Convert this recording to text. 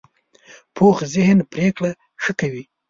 پوخ ذهن پرېکړه ښه کوي